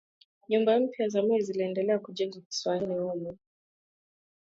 nyumba mpya za mawe ziliendelea kujengwa kisiwani humo